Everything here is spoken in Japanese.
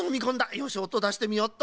よしおとだしてみよっと。